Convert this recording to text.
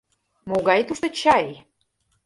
Могай тушто чай...